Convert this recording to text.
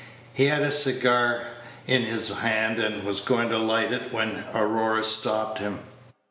He had a cigar in his hand, and was going to light it, when Aurora stopped him.